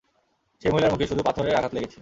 সেই মহিলার মুখে শুধু পাথরের আঘাত লেগেছে।